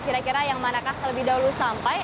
kira kira yang manakah terlebih dahulu sampai